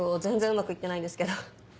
全然うまく行ってないんですけど。